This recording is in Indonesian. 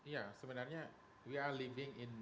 ya sebenarnya we are living in